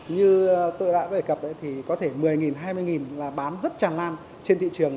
như tôi đã đề cập thì có thể một mươi hai mươi là bán rất tràn lan trên thị trường